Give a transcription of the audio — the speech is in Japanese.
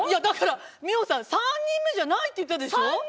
だから美穂さん３人目じゃないって言ったでしょ？